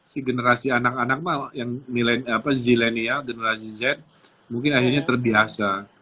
si generasi anak anak mal yang milenial apa zilenia generasi z mungkin akhirnya terbiasa